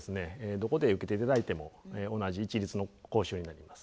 どこで受けて頂いても同じ一律の講習になります。